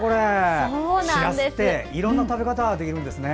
しらすっていろいろな食べ方ができるんですね。